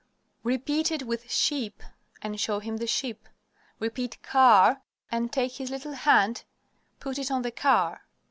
Repeat it with "sheep" and show him the sheep. Repeat "car," and take his little hand, put it on the car.